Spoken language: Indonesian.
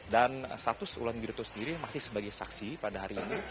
dan status wulan guritno sendiri masih sebagai saksi pada hari ini